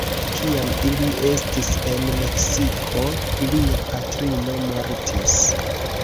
Kiam ili estis en Meksiko, ilia patrino mortis.